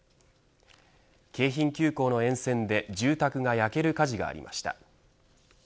京浜急行の沿線で住宅が焼ける火事がありました。